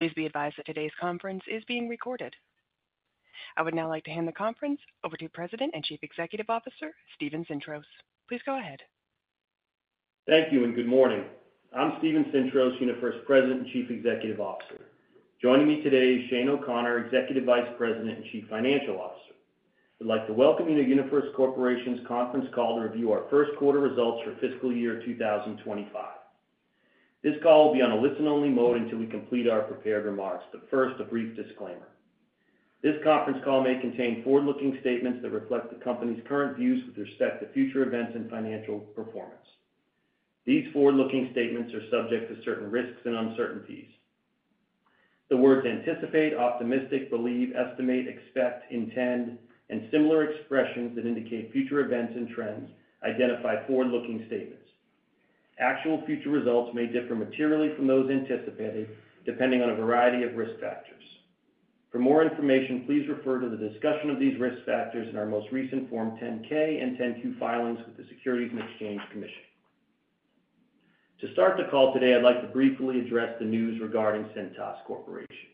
Please be advised that today's conference is being recorded. I would now like to hand the conference over to President and Chief Executive Officer, Steven Sintros. Please go ahead. Thank you and good morning. I'm Steven Sintros, UniFirst President and Chief Executive Officer. Joining me today is Shane O'Connor, Executive Vice President and Chief Financial Officer. I'd like to welcome you to UniFirst Corporation's conference call to review our first quarter results for fiscal year 2025. This call will be on a listen-only mode until we complete our prepared remarks, but first, a brief disclaimer. This conference call may contain forward-looking statements that reflect the company's current views with respect to future events and financial performance. These forward-looking statements are subject to certain risks and uncertainties. The words anticipate, optimistic, believe, estimate, expect, intend, and similar expressions that indicate future events and trends identify forward-looking statements. Actual future results may differ materially from those anticipated depending on a variety of risk factors. For more information, please refer to the discussion of these risk factors in our most recent Form 10-K and 10-Q filings with the Securities and Exchange Commission. To start the call today, I'd like to briefly address the news regarding Cintas Corporation.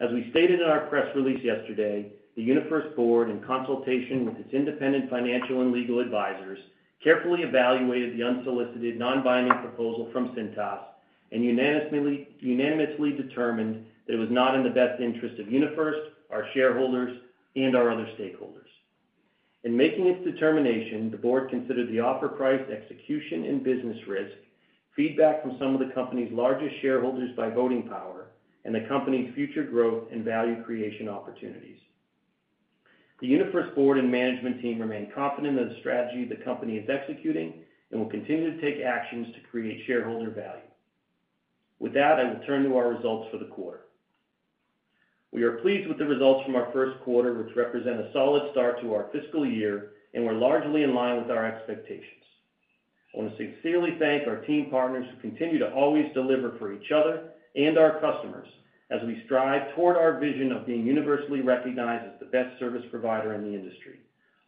As we stated in our press release yesterday, the UniFirst Board, in consultation with its independent financial and legal advisors, carefully evaluated the unsolicited, non-binding proposal from Cintas and unanimously determined that it was not in the best interest of UniFirst, our shareholders, and our other stakeholders. In making its determination, the Board considered the offer price, execution and business risk, feedback from some of the company's largest shareholders by voting power, and the company's future growth and value creation opportunities. The UniFirst Board and management team remain confident in the strategy the company is executing and will continue to take actions to create shareholder value. With that, I will turn to our results for the quarter. We are pleased with the results from our first quarter, which represent a solid start to our fiscal year and were largely in line with our expectations. I want to sincerely thank our team partners who continue to always deliver for each other and our customers as we strive toward our vision of being universally recognized as the best service provider in the industry,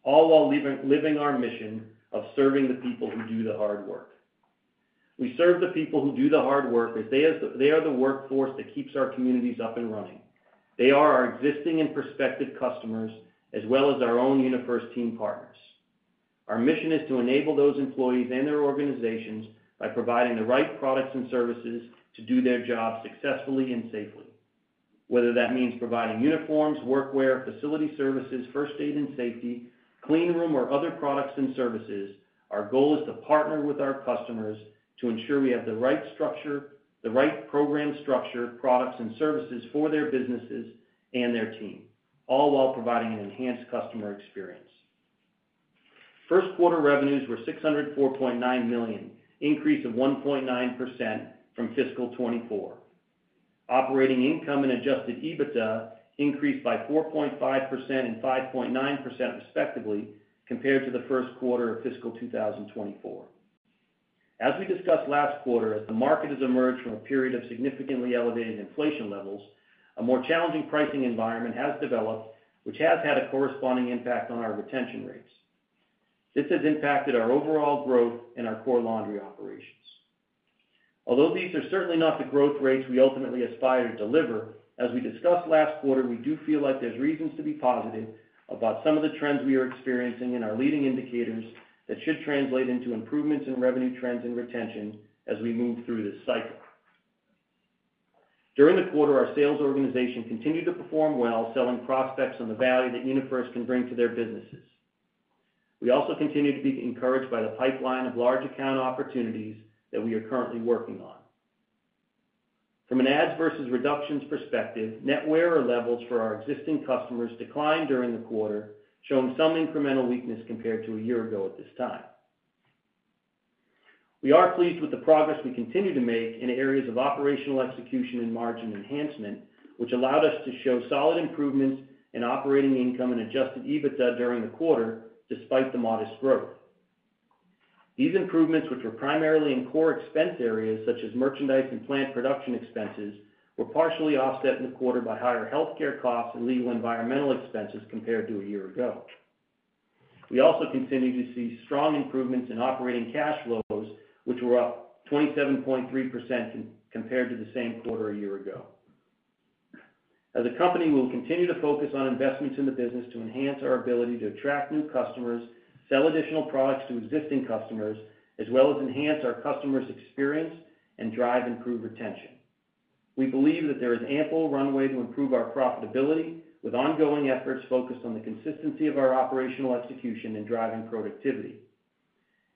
all while living our mission of serving the people who do the hard work. We serve the people who do the hard work, as they are the workforce that keeps our communities up and running. They are our existing and prospective customers as well as our own UniFirst team partners. Our mission is to enable those employees and their organizations by providing the right products and services to do their jobs successfully and safely. Whether that means providing uniforms, workwear, facility services, first aid and safety, clean room, or other products and services, our goal is to partner with our customers to ensure we have the right structure, the right program structure, products, and services for their businesses and their team, all while providing an enhanced customer experience. First quarter revenues were $604.9 million, an increase of 1.9% from fiscal 2024. Operating income and Adjusted EBITDA increased by 4.5% and 5.9% respectively compared to the first quarter of fiscal 2024. As we discussed last quarter, as the market has emerged from a period of significantly elevated inflation levels, a more challenging pricing environment has developed, which has had a corresponding impact on our retention rates. This has impacted our overall growth and our core laundry operations. Although these are certainly not the growth rates we ultimately aspire to deliver, as we discussed last quarter, we do feel like there's reasons to be positive about some of the trends we are experiencing in our leading indicators that should translate into improvements in revenue trends and retention as we move through this cycle. During the quarter, our sales organization continued to perform well, selling prospects on the value that UniFirst can bring to their businesses. We also continue to be encouraged by the pipeline of large account opportunities that we are currently working on. From an adds versus reductions perspective, net wearer levels for our existing customers declined during the quarter, showing some incremental weakness compared to a year ago at this time. We are pleased with the progress we continue to make in areas of operational execution and margin enhancement, which allowed us to show solid improvements in operating income and Adjusted EBITDA during the quarter despite the modest growth. These improvements, which were primarily in core expense areas such as merchandise and plant production expenses, were partially offset in the quarter by higher healthcare costs and legal environmental expenses compared to a year ago. We also continue to see strong improvements in operating cash flows, which were up 27.3% compared to the same quarter a year ago. As a company, we will continue to focus on investments in the business to enhance our ability to attract new customers, sell additional products to existing customers, as well as enhance our customers' experience and drive improved retention. We believe that there is ample runway to improve our profitability with ongoing efforts focused on the consistency of our operational execution and driving productivity.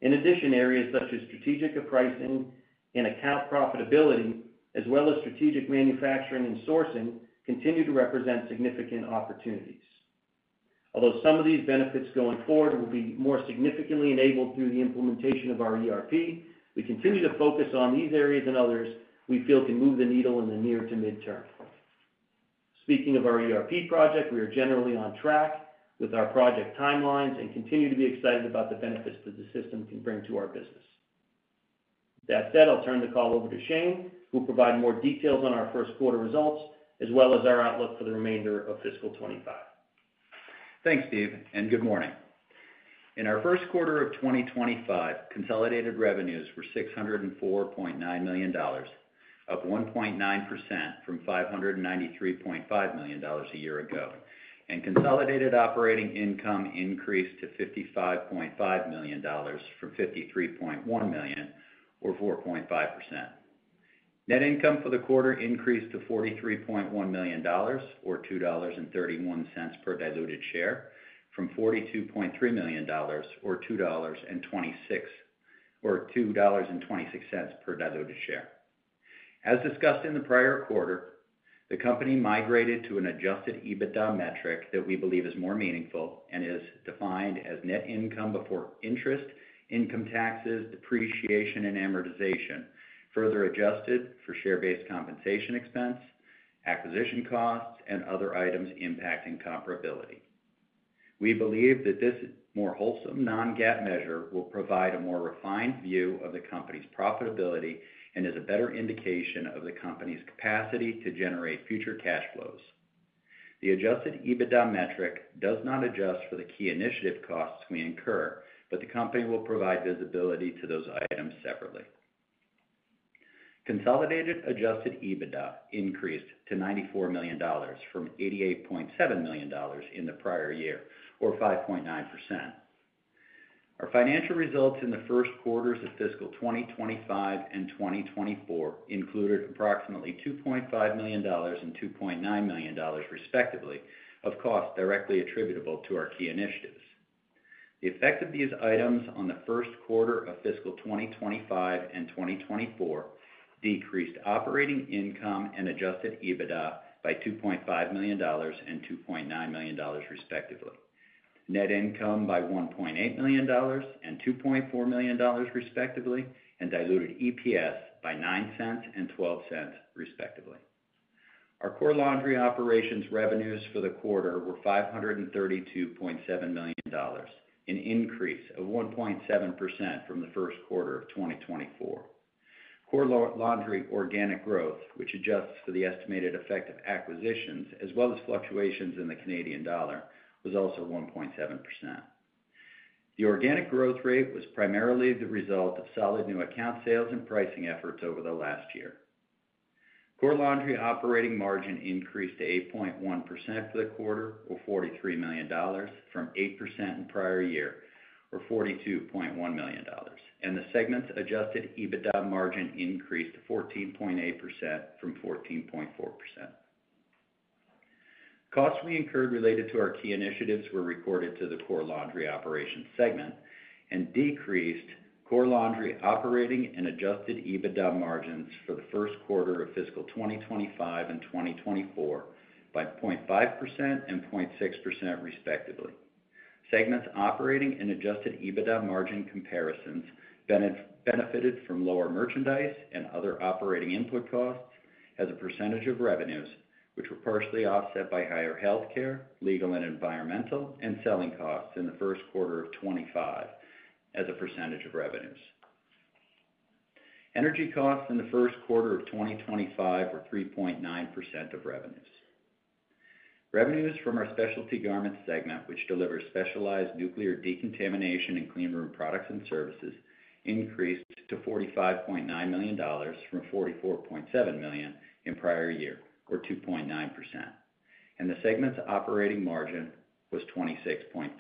In addition, areas such as strategic pricing and account profitability, as well as strategic manufacturing and sourcing, continue to represent significant opportunities. Although some of these benefits going forward will be more significantly enabled through the implementation of our ERP, we continue to focus on these areas and others we feel can move the needle in the near to midterm. Speaking of our ERP project, we are generally on track with our project timelines and continue to be excited about the benefits that the system can bring to our business. With that said, I'll turn the call over to Shane, who will provide more details on our first quarter results as well as our outlook for the remainder of fiscal 2025. Thanks, Steve, and good morning. In our first quarter of 2025, consolidated revenues were $604.9 million, up 1.9% from $593.5 million a year ago, and consolidated operating income increased to $55.5 million from $53.1 million, or 4.5%. Net income for the quarter increased to $43.1 million, or $2.31 per diluted share, from $42.3 million, or $2.26 per diluted share. As discussed in the prior quarter, the company migrated to an Adjusted EBITDA metric that we believe is more meaningful and is defined as net income before interest, income taxes, depreciation, and amortization, further adjusted for share-based compensation expense, acquisition costs, and other items impacting comparability. We believe that this more wholesome, non-GAAP measure will provide a more refined view of the company's profitability and is a better indication of the company's capacity to generate future cash flows. The adjusted EBITDA metric does not adjust for the key initiative costs we incur, but the company will provide visibility to those items separately. Consolidated adjusted EBITDA increased to $94 million from $88.7 million in the prior year, or 5.9%. Our financial results in the first quarters of fiscal 2025 and 2024 included approximately $2.5 million and $2.9 million respectively of costs directly attributable to our key initiatives. The effect of these items on the first quarter of fiscal 2025 and 2024 decreased operating income and adjusted EBITDA by $2.5 million and $2.9 million respectively, net income by $1.8 million and $2.4 million respectively, and diluted EPS by $0.09 and $0.12 respectively. Our core laundry operations revenues for the quarter were $532.7 million, an increase of 1.7% from the first quarter of 2024. Core Laundry organic growth, which adjusts for the estimated effect of acquisitions as well as fluctuations in the Canadian dollar, was also 1.7%. The organic growth rate was primarily the result of solid new account sales and pricing efforts over the last year. Core Laundry operating margin increased to 8.1% for the quarter, or $43 million, from 8% in prior year, or $42.1 million, and the segment's Adjusted EBITDA margin increased to 14.8% from 14.4%. Costs we incurred related to our key initiatives were recorded to the Core Laundry Operations segment and decreased Core Laundry operating and Adjusted EBITDA margins for the first quarter of fiscal 2025 and 2024 by 0.5% and 0.6% respectively. Segments' operating and adjusted EBITDA margin comparisons benefited from lower merchandise and other operating input costs as a percentage of revenues, which were partially offset by higher healthcare, legal and environmental, and selling costs in the first quarter of 2025 as a percentage of revenues. Energy costs in the first quarter of 2025 were 3.9% of revenues. Revenues from our Specialty Garments segment, which delivers specialized nuclear decontamination and clean room products and services, increased to $45.9 million from $44.7 million in prior year, or 2.9%, and the segment's operating margin was 26.5%.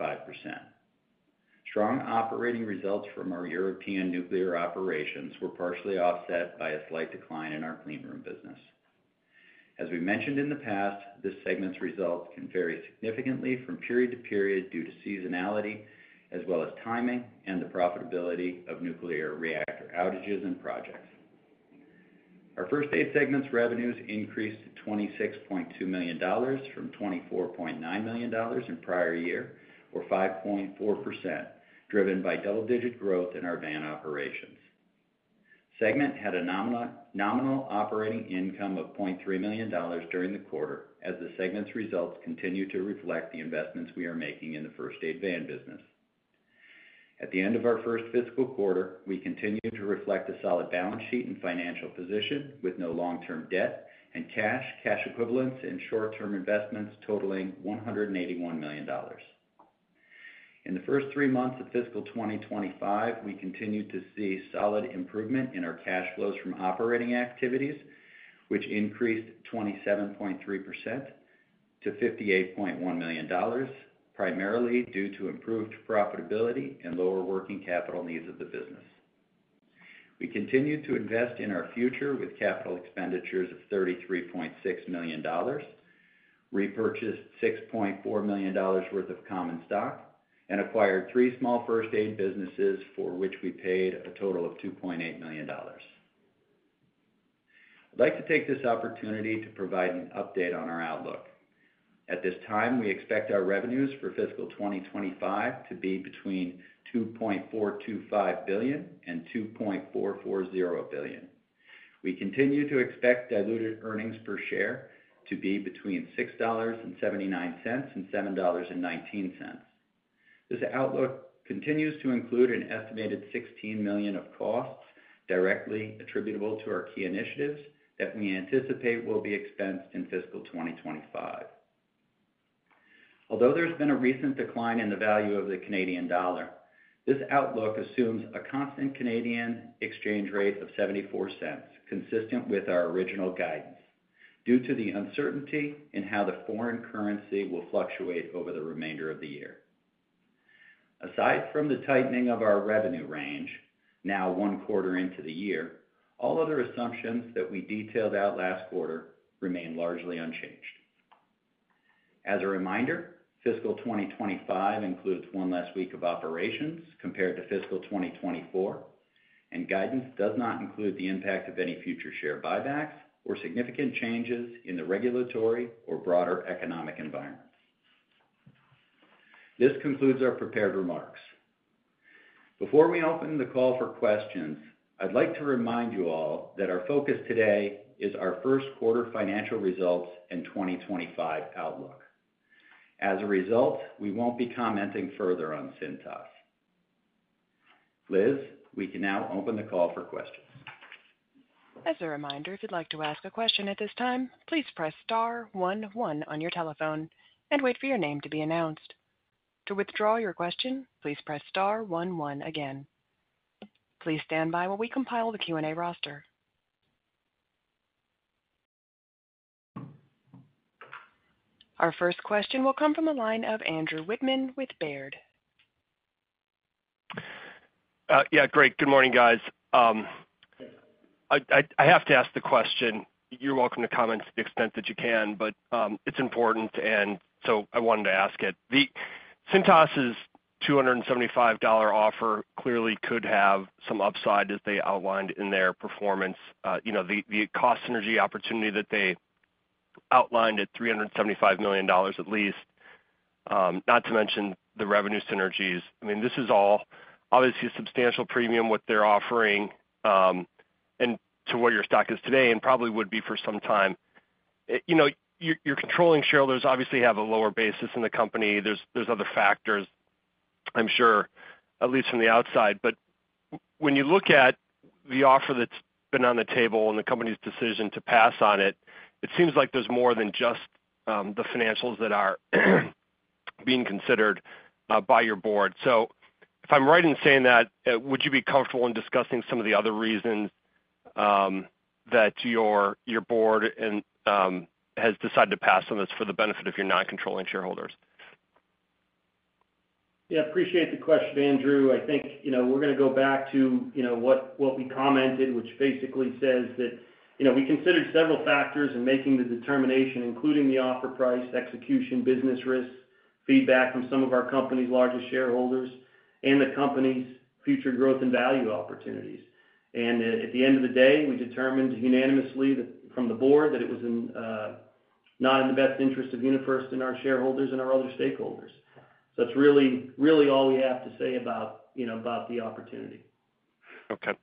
Strong operating results from our European nuclear operations were partially offset by a slight decline in our clean room business. As we mentioned in the past, this segment's results can vary significantly from period to period due to seasonality as well as timing and the profitability of nuclear reactor outages and projects. Our First Aid segment's revenues increased to $26.2 million from $24.9 million in prior year, or 5.4%, driven by double-digit growth in our van operations. Segment had a nominal operating income of $0.3 million during the quarter as the segment's results continue to reflect the investments we are making in the First Aid van business. At the end of our first fiscal quarter, we continue to reflect a solid balance sheet and financial position with no long-term debt and cash, cash equivalents, and short-term investments totaling $181 million. In the first three months of fiscal 2025, we continued to see solid improvement in our cash flows from operating activities, which increased 27.3% to $58.1 million, primarily due to improved profitability and lower working capital needs of the business. We continued to invest in our future with capital expenditures of $33.6 million, repurchased $6.4 million worth of common stock, and acquired three small first aid businesses for which we paid a total of $2.8 million. I'd like to take this opportunity to provide an update on our outlook. At this time, we expect our revenues for fiscal 2025 to be between $2.425 billion and $2.440 billion. We continue to expect diluted earnings per share to be between $6.79 and $7.19. This outlook continues to include an estimated $16 million of costs directly attributable to our key initiatives that we anticipate will be expensed in fiscal 2025. Although there's been a recent decline in the value of the Canadian dollar, this outlook assumes a constant Canadian exchange rate of $0.74, consistent with our original guidance, due to the uncertainty in how the foreign currency will fluctuate over the remainder of the year. Aside from the tightening of our revenue range, now one quarter into the year, all other assumptions that we detailed out last quarter remain largely unchanged. As a reminder, fiscal 2025 includes one less week of operations compared to fiscal 2024, and guidance does not include the impact of any future share buybacks or significant changes in the regulatory or broader economic environment. This concludes our prepared remarks. Before we open the call for questions, I'd like to remind you all that our focus today is our first quarter financial results and 2025 outlook. As a result, we won't be commenting further on Cintas. Liz, we can now open the call for questions. As a reminder, if you'd like to ask a question at this time, please press star 11 on your telephone and wait for your name to be announced. To withdraw your question, please press star 11 again. Please stand by while we compile the Q&A roster. Our first question will come from a line of Andrew Wittmann with Baird. Yeah, great. Good morning, guys. I have to ask the question. You're welcome to comment to the extent that you can, but it's important, and so I wanted to ask it. The Cintas's $275 offer clearly could have some upside as they outlined in their performance. The cost synergy opportunity that they outlined at $375 million at least, not to mention the revenue synergies. I mean, this is all obviously a substantial premium what they're offering and to what your stock is today and probably would be for some time. Your controlling shareholders obviously have a lower basis in the company. There's other factors, I'm sure, at least from the outside. But when you look at the offer that's been on the table and the company's decision to pass on it, it seems like there's more than just the financials that are being considered by your board. If I'm right in saying that, would you be comfortable in discussing some of the other reasons that your board has decided to pass on this for the benefit of your non-controlling shareholders? Yeah, appreciate the question, Andrew. I think we're going to go back to what we commented, which basically says that we considered several factors in making the determination, including the offer price, execution, business risks, feedback from some of our company's largest shareholders, and the company's future growth and value opportunities. And at the end of the day, we determined unanimously from the board that it was not in the best interest of UniFirst and our shareholders and our other stakeholders. So that's really all we have to say about the opportunity. Okay.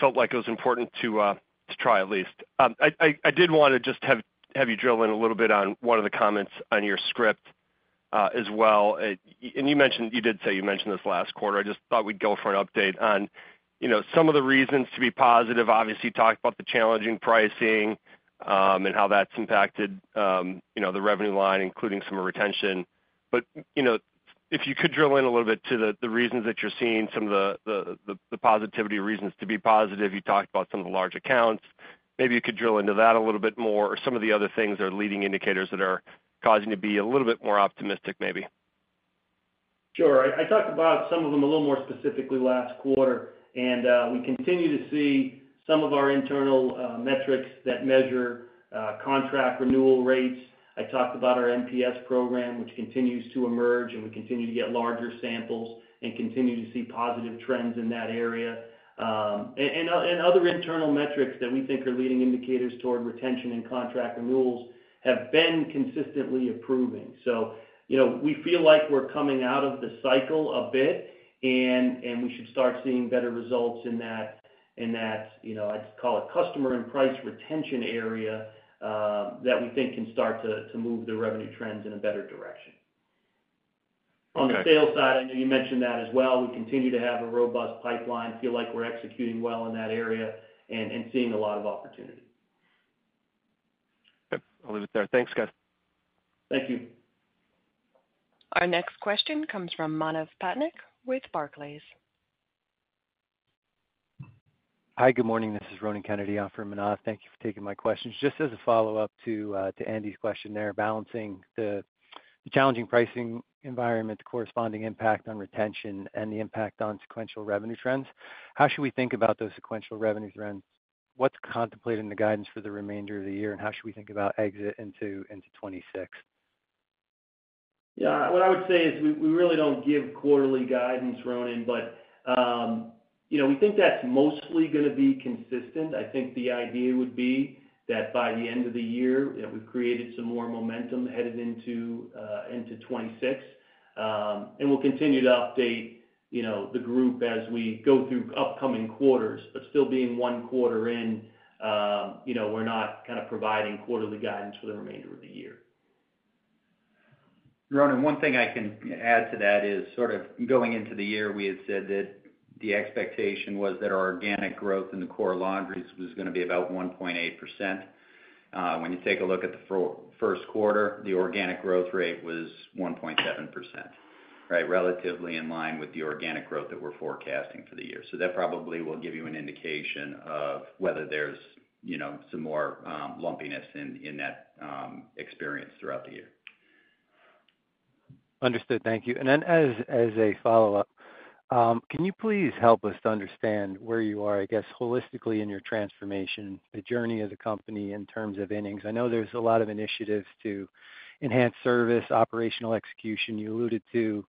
Felt like it was important to try at least. I did want to just have you drill in a little bit on one of the comments on your script as well, and you did say you mentioned this last quarter. I just thought we'd go for an update on some of the reasons to be positive. Obviously, you talked about the challenging pricing and how that's impacted the revenue line, including some retention, but if you could drill in a little bit to the reasons that you're seeing, some of the positivity reasons to be positive. You talked about some of the large accounts. Maybe you could drill into that a little bit more or some of the other things that are leading indicators that are causing you to be a little bit more optimistic, maybe. Sure. I talked about some of them a little more specifically last quarter, and we continue to see some of our internal metrics that measure contract renewal rates. I talked about our NPS program, which continues to emerge, and we continue to get larger samples and continue to see positive trends in that area, and other internal metrics that we think are leading indicators toward retention and contract renewals have been consistently improving, so we feel like we're coming out of the cycle a bit, and we should start seeing better results in that, I'd call it, customer and price retention area that we think can start to move the revenue trends in a better direction. On the sales side, I know you mentioned that as well. We continue to have a robust pipeline. I feel like we're executing well in that area and seeing a lot of opportunity. Okay. I'll leave it there. Thanks, guys. Thank you. Our next question comes from Manav Patnaik with Barclays. Hi, good morning. This is Ronan Kennedy from Manav. Thank you for taking my questions. Just as a follow-up to Andy's question there, balancing the challenging pricing environment, the corresponding impact on retention, and the impact on sequential revenue trends, how should we think about those sequential revenue trends? What's contemplated in the guidance for the remainder of the year, and how should we think about exit into 2026? Yeah. What I would say is we really don't give quarterly guidance, Ronan, but we think that's mostly going to be consistent. I think the idea would be that by the end of the year, we've created some more momentum headed into 2026, and we'll continue to update the group as we go through upcoming quarters. But still being one quarter in, we're not kind of providing quarterly guidance for the remainder of the year. Ronan, one thing I can add to that is sort of going into the year, we had said that the expectation was that our organic growth in the core laundries was going to be about 1.8%. When you take a look at the first quarter, the organic growth rate was 1.7%, right, relatively in line with the organic growth that we're forecasting for the year. So that probably will give you an indication of whether there's some more lumpiness in that experience throughout the year. Understood. Thank you. And then as a follow-up, can you please help us to understand where you are, I guess, holistically in your transformation, the journey of the company in terms of innings? I know there's a lot of initiatives to enhance service, operational execution. You alluded to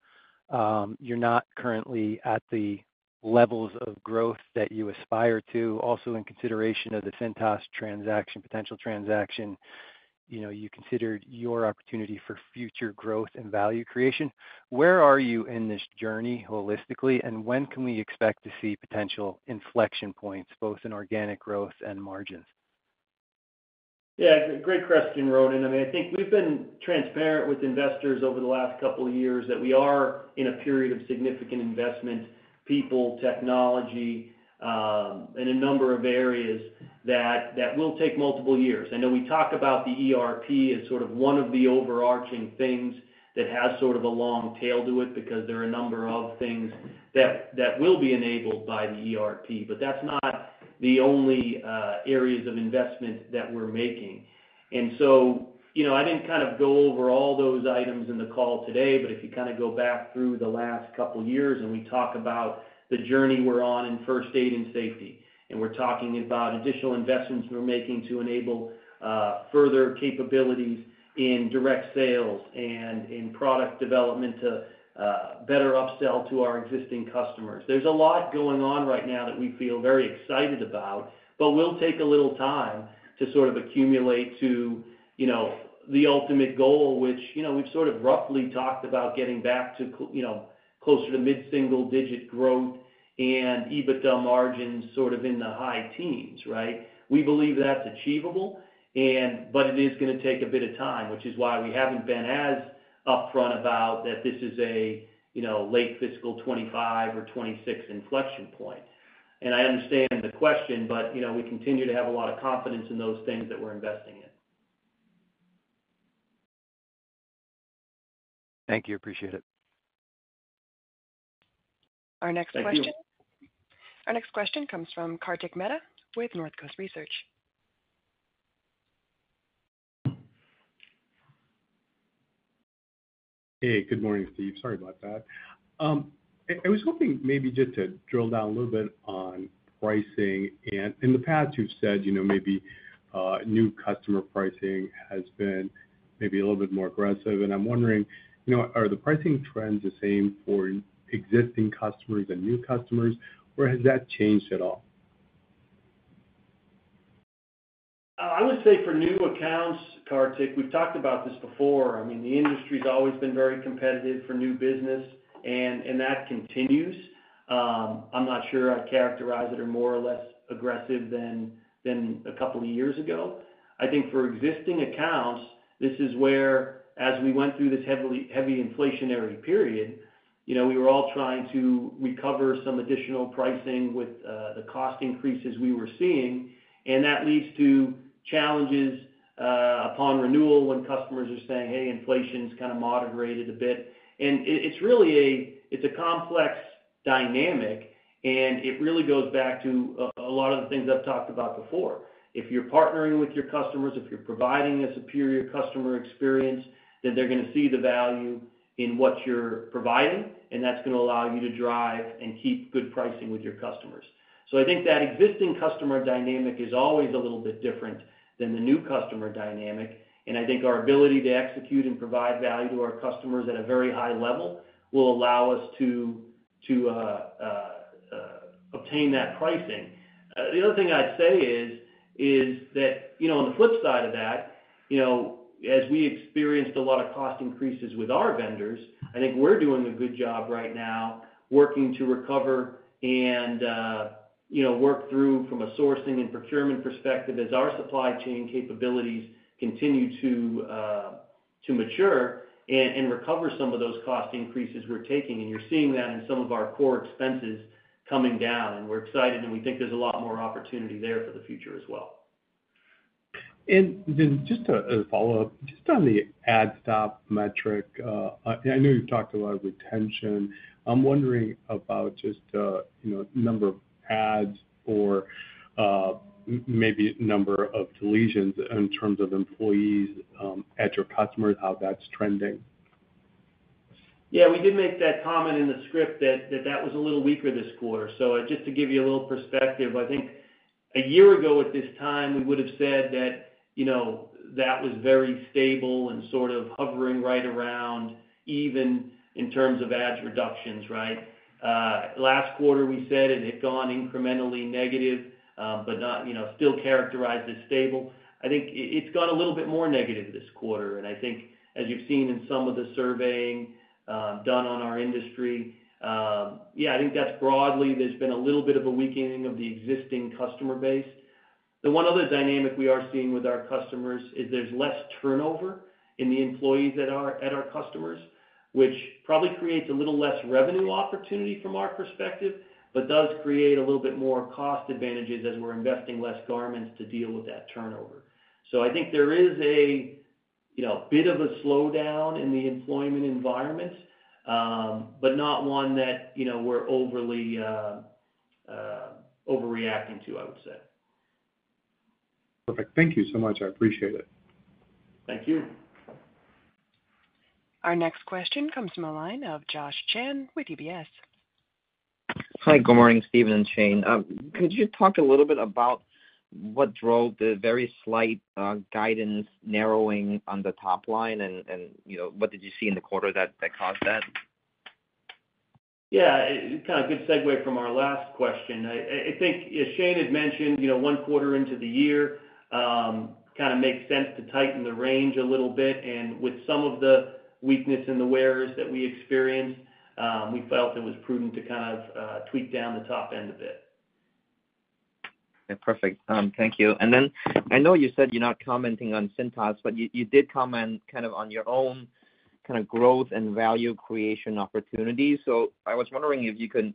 you're not currently at the levels of growth that you aspire to. Also, in consideration of the Cintas transaction, potential transaction, you considered your opportunity for future growth and value creation. Where are you in this journey holistically, and when can we expect to see potential inflection points, both in organic growth and margins? Yeah. Great question, Ronan. I mean, I think we've been transparent with investors over the last couple of years that we are in a period of significant investment, people, technology, and a number of areas that will take multiple years. I know we talk about the ERP as sort of one of the overarching things that has sort of a long tail to it because there are a number of things that will be enabled by the ERP, but that's not the only areas of investment that we're making. And so I didn't kind of go over all those items in the call today, but if you kind of go back through the last couple of years and we talk about the journey we're on in First Aid and Safety, and we're talking about additional investments we're making to enable further capabilities in direct sales and in product development to better upsell to our existing customers. There's a lot going on right now that we feel very excited about, but we'll take a little time to sort of accumulate to the ultimate goal, which we've sort of roughly talked about getting back to closer to mid-single-digit growth and EBITDA margins sort of in the high teens, right? We believe that's achievable, but it is going to take a bit of time, which is why we haven't been as upfront about that, this is a late fiscal 2025 or 2026 inflection point, and I understand the question, but we continue to have a lot of confidence in those things that we're investing in. Thank you. Appreciate it. Our next question comes from Karthik Mehta with North Coast Research. Hey, good morning, Steve. Sorry about that. I was hoping maybe just to drill down a little bit on pricing. And in the past, you've said maybe new customer pricing has been maybe a little bit more aggressive. And I'm wondering, are the pricing trends the same for existing customers and new customers, or has that changed at all? I would say for new accounts, Karthik, we've talked about this before. I mean, the industry has always been very competitive for new business, and that continues. I'm not sure I'd characterize it as more or less aggressive than a couple of years ago. I think for existing accounts, this is where, as we went through this heavy inflationary period, we were all trying to recover some additional pricing with the cost increases we were seeing. And that leads to challenges upon renewal when customers are saying, "Hey, inflation's kind of moderated a bit." And it's really a complex dynamic, and it really goes back to a lot of the things I've talked about before. If you're partnering with your customers, if you're providing a superior customer experience, then they're going to see the value in what you're providing, and that's going to allow you to drive and keep good pricing with your customers. So I think that existing customer dynamic is always a little bit different than the new customer dynamic. And I think our ability to execute and provide value to our customers at a very high level will allow us to obtain that pricing. The other thing I'd say is that on the flip side of that, as we experienced a lot of cost increases with our vendors, I think we're doing a good job right now working to recover and work through from a sourcing and procurement perspective as our supply chain capabilities continue to mature and recover some of those cost increases we're taking. You're seeing that in some of our core expenses coming down, and we're excited, and we think there's a lot more opportunity there for the future as well. Then just as a follow-up, just on the adds/stop metric, I know you've talked a lot of retention. I'm wondering about just the number of adds or maybe number of deletions in terms of employees at your customers, how that's trending. Yeah. We did make that comment in the script that that was a little weaker this quarter. So just to give you a little perspective, I think a year ago at this time, we would have said that that was very stable and sort of hovering right around even in terms of adds reductions, right? Last quarter, we said it had gone incrementally negative, but still characterized as stable. I think it's gone a little bit more negative this quarter. And I think, as you've seen in some of the surveying done on our industry, yeah, I think that's broadly there's been a little bit of a weakening of the existing customer base. The one other dynamic we are seeing with our customers is there's less turnover in the employees at our customers, which probably creates a little less revenue opportunity from our perspective, but does create a little bit more cost advantages as we're investing less garments to deal with that turnover. So I think there is a bit of a slowdown in the employment environment, but not one that we're overly overreacting to, I would say. Perfect. Thank you so much. I appreciate it. Thank you. Our next question comes from a line of Josh Chan with UBS. Hi. Good morning, Steven and Shane. Could you talk a little bit about what drove the very slight guidance narrowing on the top line and what did you see in the quarter that caused that? Yeah. Kind of a good segue from our last question. I think, as Shane had mentioned, one quarter into the year kind of makes sense to tighten the range a little bit. And with some of the weakness in the wearers that we experienced, we felt it was prudent to kind of tweak down the top end a bit. Okay. Perfect. Thank you. And then I know you said you're not commenting on Cintas, but you did comment kind of on your own kind of growth and value creation opportunities. So I was wondering if you could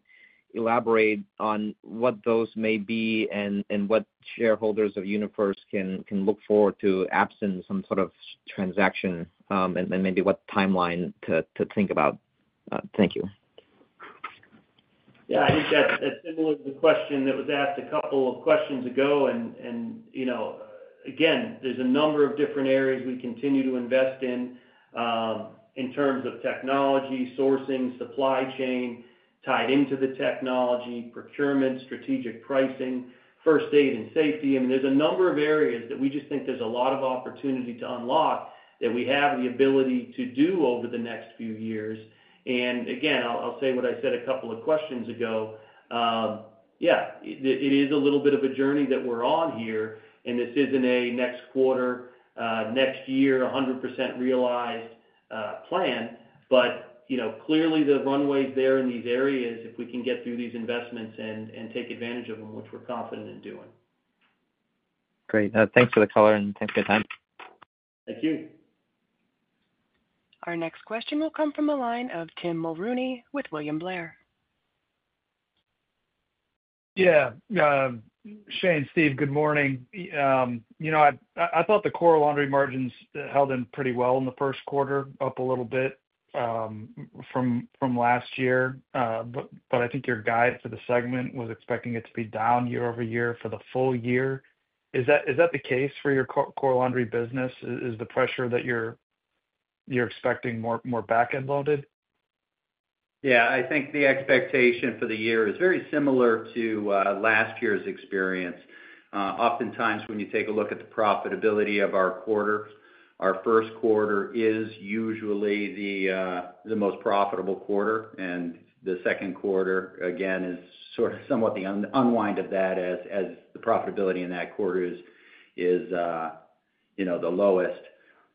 elaborate on what those may be and what shareholders of UniFirst can look forward to absent some sort of transaction and maybe what timeline to think about? Thank you. Yeah. I think that's similar to the question that was asked a couple of questions ago. And again, there's a number of different areas we continue to invest in in terms of technology, sourcing, supply chain tied into the technology, procurement, strategic pricing, first aid and safety. I mean, there's a number of areas that we just think there's a lot of opportunity to unlock that we have the ability to do over the next few years. And again, I'll say what I said a couple of questions ago. Yeah. It is a little bit of a journey that we're on here, and this isn't a next quarter, next year, 100% realized plan, but clearly the runway's there in these areas if we can get through these investments and take advantage of them, which we're confident in doing. Great. Thanks for the call, and thanks for your time. Thank you. Our next question will come from a line of Tim Mulrooney with William Blair. Yeah. Shane, Steve, good morning. I thought the core laundry margins held in pretty well in the first quarter, up a little bit from last year, but I think your guide for the segment was expecting it to be down year over year for the full year. Is that the case for your core laundry business? Is the pressure that you're expecting more back-end loaded? Yeah. I think the expectation for the year is very similar to last year's experience. Oftentimes, when you take a look at the profitability of our quarter, our first quarter is usually the most profitable quarter, and the second quarter, again, is sort of somewhat the unwind of that as the profitability in that quarter is the lowest.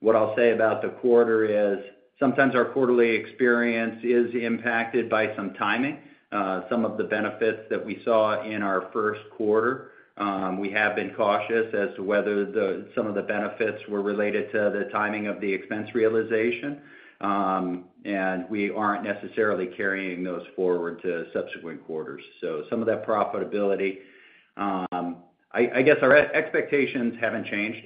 What I'll say about the quarter is sometimes our quarterly experience is impacted by some timing. Some of the benefits that we saw in our first quarter, we have been cautious as to whether some of the benefits were related to the timing of the expense realization, and we aren't necessarily carrying those forward to subsequent quarters. So some of that profitability, I guess our expectations haven't changed.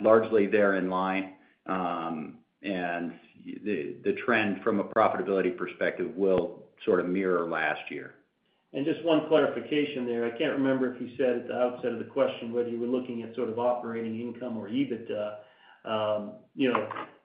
Largely, they're in line, and the trend from a profitability perspective will sort of mirror last year. Just one clarification there. I can't remember if you said at the outset of the question whether you were looking at sort of operating income or EBITDA.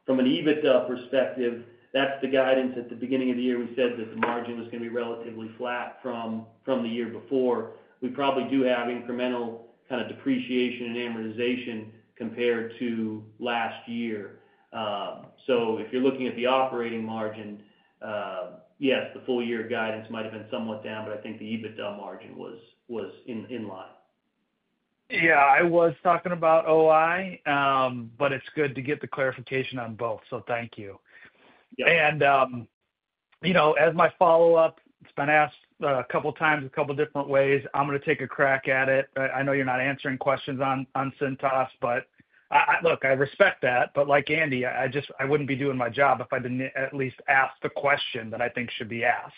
From an EBITDA perspective, that's the guidance at the beginning of the year. We said that the margin was going to be relatively flat from the year before. We probably do have incremental kind of depreciation and amortization compared to last year. So if you're looking at the operating margin, yes, the full-year guidance might have been somewhat down, but I think the EBITDA margin was in line. Yeah. I was talking about OI, but it's good to get the clarification on both, so thank you. And as my follow-up, it's been asked a couple of times a couple of different ways. I'm going to take a crack at it. I know you're not answering questions on Cintas, but look, I respect that, but like Andy, I wouldn't be doing my job if I didn't at least ask the question that I think should be asked.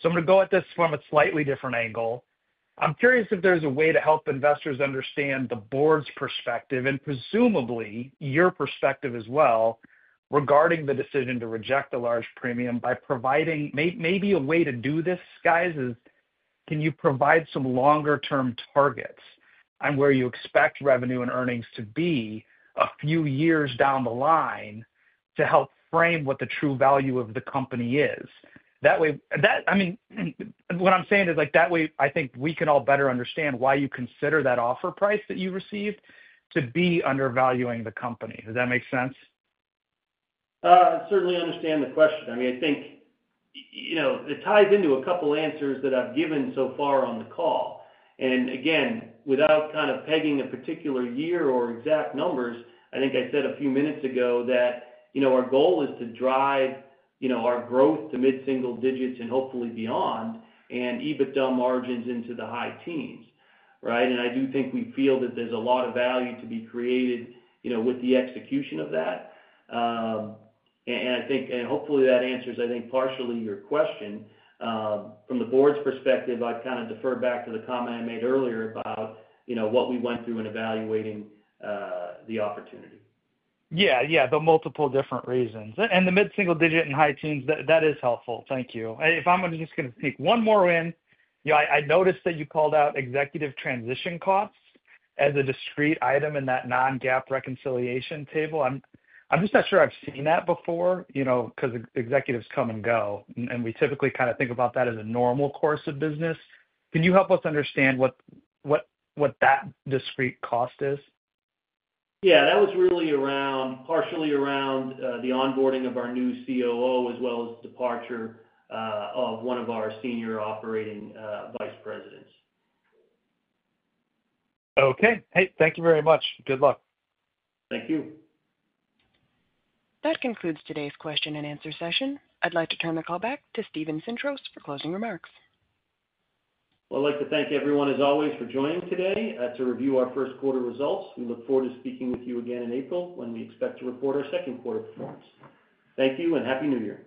So I'm going to go at this from a slightly different angle. I'm curious if there's a way to help investors understand the board's perspective and presumably your perspective as well regarding the decision to reject the large premium by providing maybe a way to do this, guys, is can you provide some longer-term targets on where you expect revenue and earnings to be a few years down the line to help frame what the true value of the company is? I mean, what I'm saying is that way, I think we can all better understand why you consider that offer price that you received to be undervaluing the company. Does that make sense? I certainly understand the question. I mean, I think it ties into a couple of answers that I've given so far on the call. And again, without kind of pegging a particular year or exact numbers, I think I said a few minutes ago that our goal is to drive our growth to mid-single digits and hopefully beyond and EBITDA margins into the high teens, right? And I do think we feel that there's a lot of value to be created with the execution of that. And hopefully, that answers, I think, partially your question. From the board's perspective, I'd kind of defer back to the comment I made earlier about what we went through in evaluating the opportunity. Yeah. Yeah. The multiple different reasons. And the mid-single digit and high teens, that is helpful. Thank you. If I'm just going to sneak one more in, I noticed that you called out executive transition costs as a discrete item in that non-GAAP reconciliation table. I'm just not sure I've seen that before because executives come and go, and we typically kind of think about that as a normal course of business. Can you help us understand what that discrete cost is? Yeah. That was partially around the onboarding of our new COO as well as the departure of one of our senior operating vice presidents. Okay. Hey, thank you very much. Good luck. Thank you. That concludes today's question and answer session. I'd like to turn the call back to Steven Sintros for closing remarks. I'd like to thank everyone, as always, for joining today to review our first quarter results. We look forward to speaking with you again in April when we expect to report our second quarter performance. Thank you, and happy New Year.